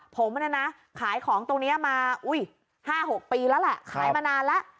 ผมเนี่ยนะขายของตรงนี้มา๕๖ปีแล้วแหละขายมานานแล้ว